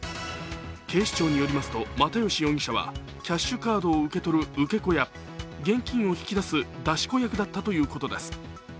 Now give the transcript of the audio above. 警視庁によりますと、又吉容疑者はキャッシュカードを受け取る受け子や、現金を引き出す出し子役だったということです。